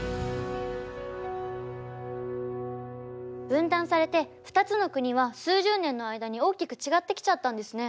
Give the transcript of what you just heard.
分断されて２つの国は数十年の間に大きく違ってきちゃったんですね。